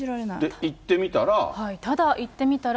行ってみたら。